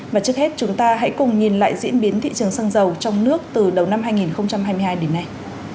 và trước hết chúng ta hãy cùng nhìn lại diễn biến thị trường xăng dầu trong nước từ đầu năm hai nghìn hai mươi hai đến nay